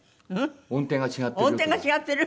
「音程が違ってる」？